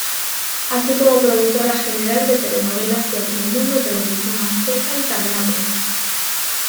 Así como productora general de telenovelas de Telemundo, Tv Azteca y Cadenatres.